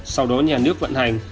sau đó nhà nước vận hành